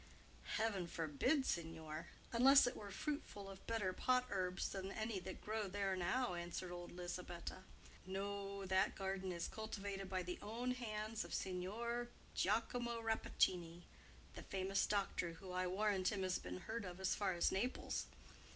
"Heaven forbid, signor, unless it were fruitful of better pot herbs than any that grow there now," answered old Lisabetta. "No; that garden is cultivated by the own hands of Signor Giacomo Rappaccini, the famous doctor, who, I warrant him, has been heard of as far as Naples.